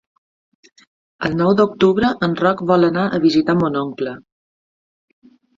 El nou d'octubre en Roc vol anar a visitar mon oncle.